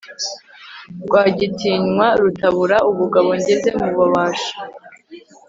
Rwagitinywa rutabura ubugabo ngeze mu babisha